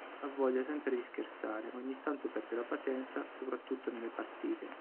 Ha voglia sempre di scherzare ma ogni tanto perde la pazienza, soprattutto nelle partite.